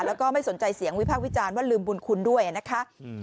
แล้วก็ไม่สนใจเสียงวิพากษ์วิจารณ์ว่าลืมบุญคุณด้วยนะคะ